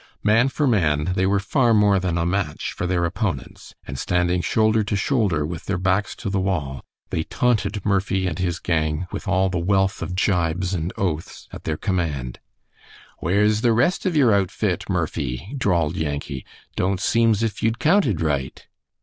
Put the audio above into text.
Man for man they were far more than a match for their opponents, and standing shoulder to shoulder, with their backs to the wall, they taunted Murphy and his gang with all the wealth of gibes and oaths at their command. "Where's the rest of your outfit, Murphy?" drawled Yankee. "Don't seem's if you'd counted right."